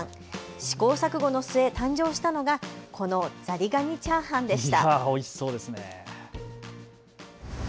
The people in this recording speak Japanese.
試行錯誤の末、誕生したのがこのザリガニチャーハンでした。